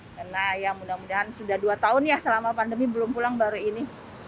karena ya mudah mudahan sudah dua tahun ya selama pandemi belum pulang baru ini